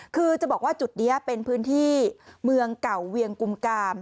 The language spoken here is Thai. คือจะบอกว่าจุดนี้เป็นพื้นที่เมืองเก่าเวียงกุมกาม